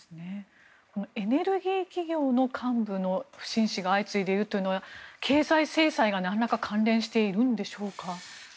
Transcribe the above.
エネルギー企業の幹部の不審死が相次いでいるというのは経済制裁が、なんらか関係しているんでしょうか。